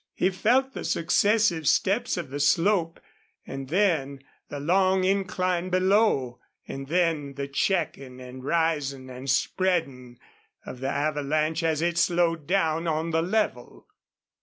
He felt the successive steps of the slope, and then the long incline below, and then the checking and rising and spreading of the avalanche as it slowed down on the level.